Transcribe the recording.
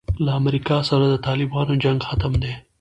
له امریکا سره د طالبانو جنګ ختم دی.